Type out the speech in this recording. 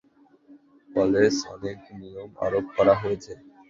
College অনেক নিয়ম আরোপ করা হয়েছে।